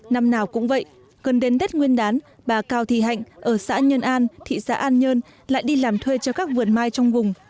năm nào cũng vậy gần đến tết nguyên đán bà cao thị hạnh ở xã nhân an thị xã an nhơn lại đi làm thuê cho các vườn mai trong vùng